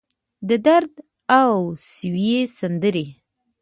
د درد اوسوي سندرې